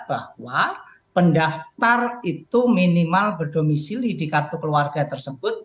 bahwa pendaftar itu minimal berdomisili di kartu keluarga tersebut